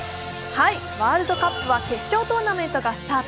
ワールドカップは決勝トーナメントがスタート。